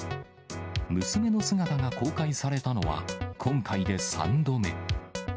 娘の姿が公開されたのは、今回で３度目。